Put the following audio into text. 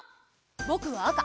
ぼくはあか。